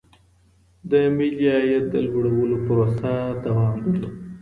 د ملي عايد د لوړولو پروسه دوام درلود.